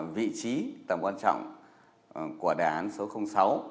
vị trí tầm quan trọng của đề án sáu